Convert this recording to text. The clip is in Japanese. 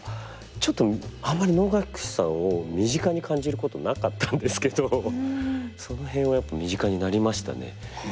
ちょっとあんまり能楽師さんを身近に感じることなかったんですけどその辺はやっぱり身近になりましたね。